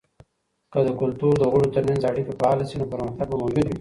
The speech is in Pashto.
که د کلتور د غړو ترمنځ اړیکې فعاله سي، نو پرمختګ به موجود وي.